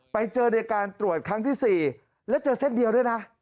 ไปเจอในการตรวจครั้งที่๔แล้วเจอเส้นเดียวด้วยนะ